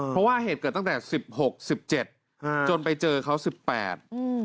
เพราะว่าเหตุเกิดตั้งแต่สิบหกสิบเจ็ดอ่าจนไปเจอเขาสิบแปดอืม